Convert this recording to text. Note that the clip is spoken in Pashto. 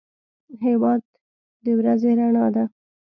هېواد د ورځې رڼا ده.